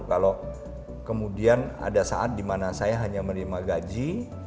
kalau kemudian ada saat dimana saya hanya menerima gaji